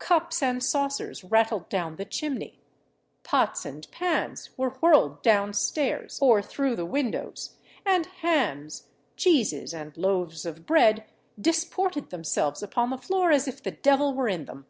Cups and saucers rattled down the chimney pots and pans were whirled down stairs, or through the windows; and hams, cheeses, and loaves of bread disported themselves upon the floor as if the devil were in them.